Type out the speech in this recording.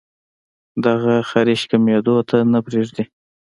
دغه خارښ کمېدو ته نۀ پرېږدي